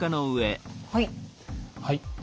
はい。